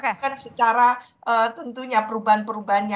ini kan harus luar biasa gitu ya